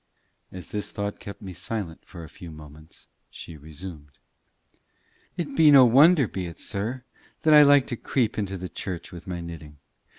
As this thought kept me silent for a few moments, she resumed. "It be no wonder, be it, sir? that I like to creep into the church with my knitting.